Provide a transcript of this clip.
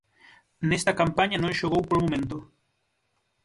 Nesta campaña non xogou polo momento.